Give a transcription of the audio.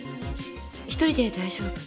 一人で大丈夫。